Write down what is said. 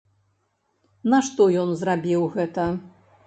Нашто ён зрабіў гэта?